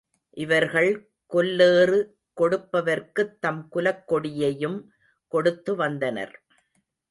இவர்கள் கொல்லேறு கொடுப்பவர்க்குத் தம் குலக் கொடியையும் கொடுத்து வந்தனர்.